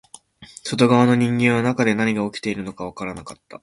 外側の人間は中で何が起きているのかわからなかった